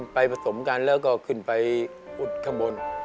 ผสมกันแล้วก็ขึ้นไปอุดข้างบน